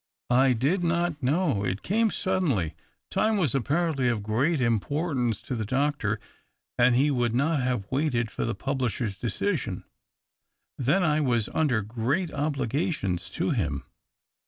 I did not know. It came suddenly — time was apparently of great importance to the doctor, and he would not have waited for the pub lisher's decision. Then I was under great obligations to him.